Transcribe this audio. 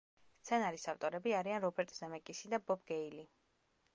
სცენარის ავტორები არიან რობერტ ზემეკისი და ბობ გეილი.